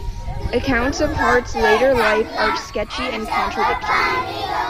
Accounts of Hart's later life are sketchy and contradictory.